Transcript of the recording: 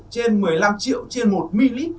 trên một mươi năm triệu trên một ml